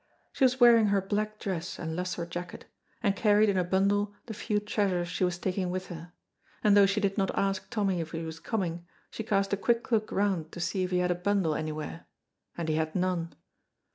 She was wearing her black dress and lustre jacket, and carried in a bundle the few treasures she was taking with her, and though she did not ask Tommy if he was coming, she cast a quick look round to see if he had a bundle anywhere, and he had none.